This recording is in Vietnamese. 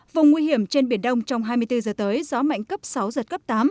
vùng nguy hiểm trên biển đông trong hai mươi bốn giờ tới gió mạnh cấp sáu giật cấp tám